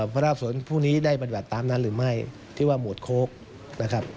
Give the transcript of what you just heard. พระราบสวนผู้นี้ได้ปฏิบัติตามนั้นหรือไม่ที่ว่าหมวดโค้กนะครับ